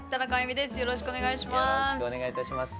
よろしくお願いします。